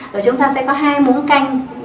rồi chúng ta sẽ có hai muỗng canh